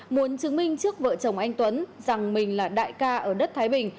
muốn chứng minh trước vợ chồng anh tuấn rằng mình là đại ca ở đất thái bình